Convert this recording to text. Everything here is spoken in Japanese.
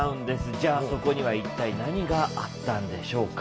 じゃあそこには一体何があったんでしょうか？